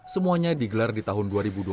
semuanya digelar di tahun dua ribu dua puluh